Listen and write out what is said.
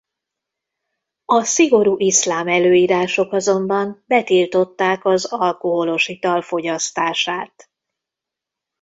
A szigorú iszlám előírások azonban betiltották az alkoholos ital fogyasztását.